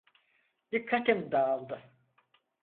Dikkatim dağıldı.